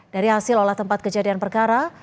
dari hasil olah tempat kejadian perkara